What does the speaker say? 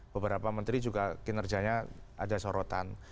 beberapa menteri juga kinerjanya ada sorotan